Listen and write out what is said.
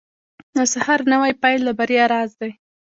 • د سهار نوی پیل د بریا راز دی.